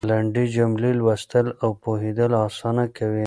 لنډې جملې لوستل او پوهېدل اسانه کوي.